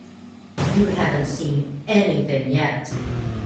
You haven't seen anything yet.